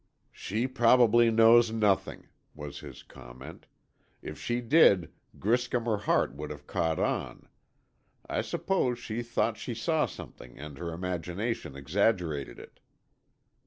"She probably knows nothing," was his comment. "If she did, Griscom or Hart would have caught on. I suppose she thought she saw something and her imagination exaggerated it."